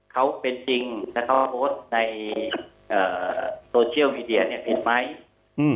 เขาเป็นจริงแล้วเขาโพสต์ในเอ่อโซเชียลมีเดียเนี้ยเห็นไหมอืม